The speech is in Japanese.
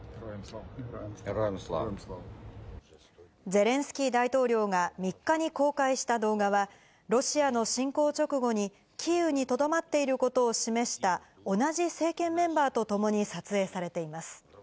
ゼレンスキー大統領が３日に公開した動画は、ロシアの侵攻直後に、キーウにとどまっていることを示した同じ政権メンバーと共に撮影されています。